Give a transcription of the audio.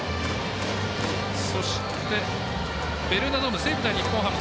そして、ベルーナドーム西武対日本ハム。